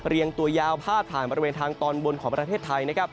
เรียงตัวยาวผ้าผ่านบริเวณทางตอนบนของประเทศไทย